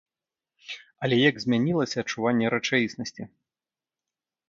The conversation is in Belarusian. Але як змянілася адчуванне рэчаіснасці!